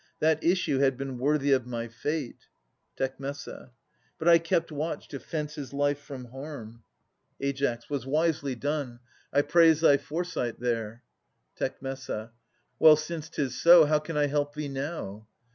That issue had been worthy of my fate ! Tec. But I kept watch to fence his life from harm. 7^ Aias [536 567 Ai. 'Twas wisely done. I praise thy foresight there. Tec. Well, since 'tis so, how can I help thee now?